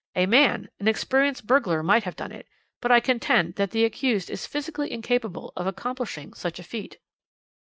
A man an experienced burglar might have done it, but I contend that the accused is physically incapable of accomplishing such a feat.